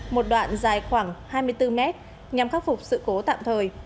một đoạn dài khoảng hai mươi bốn mét nhằm khắc phục sự cố tạm thời